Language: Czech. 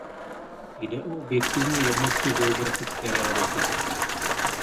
Jde o objektivní jednotku geografické reality.